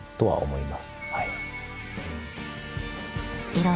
はい。